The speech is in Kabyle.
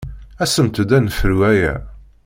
Asemt-d ad nefru aya!